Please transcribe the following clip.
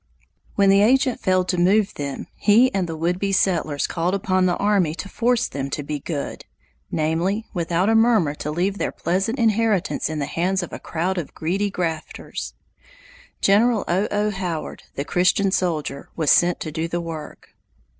When the agent failed to move them, he and the would be settlers called upon the army to force them to be good, namely, without a murmur to leave their pleasant inheritance in the hands of a crowd of greedy grafters. General O. O. Howard, the Christian soldier, was sent to do the work.